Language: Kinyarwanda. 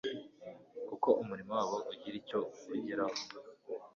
kuko umurimo wabo ugira icyo ugeraho